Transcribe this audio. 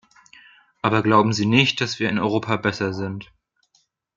Aber glauben Sie nicht, dass wir in Europa besser sind.